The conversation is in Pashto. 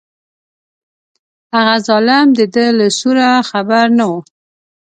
هغه ظالم د ده له سوره خبر نه و.